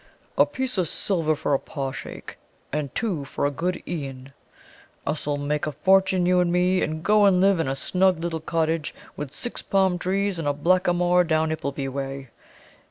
A piece of silver for a paw shake, and two for a good e'en. Us 'll make a fortune, you and me, and go and live in a snug little cottage with six palm trees and a blackamoor down Ippleby way.